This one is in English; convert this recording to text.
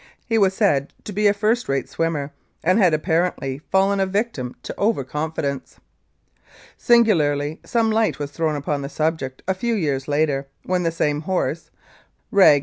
He was said to be a first rate swimmer, and had apparently fallen a victim to over confidence. Singularly, some light was thrown upon the subject a few years later, when the same horse (reg.